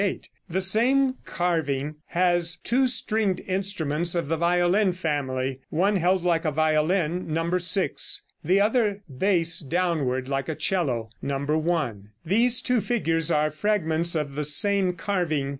The same carving has two stringed instruments of the violin family, one held like a violin (No. 6), the other bass downward, like a 'cello (No. 1). These two figures are fragments of the same carving.